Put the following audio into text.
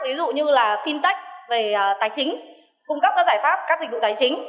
ví dụ như là fintech về tài chính cung cấp các giải pháp các dịch vụ tài chính